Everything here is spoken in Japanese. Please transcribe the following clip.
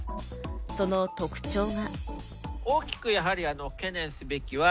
その特徴が。